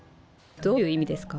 どういう意味ですか？